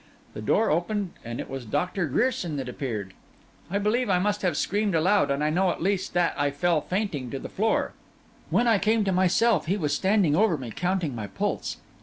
The door opened, and it was Doctor Grierson that appeared. I believe I must have screamed aloud, and I know, at least, that I fell fainting to the floor. When I came to myself he was standing over me, counting my pulse.